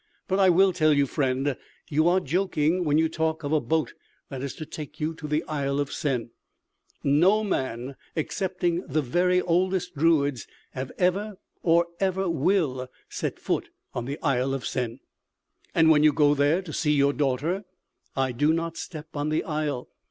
But I will tell you, friend, you are joking when you talk of a boat that is to take you to the Isle of Sen. No man, excepting the very oldest druids, have ever or ever will set foot on the Isle of Sen." "And when you go there to see your daughter?" "I do not step on the isle.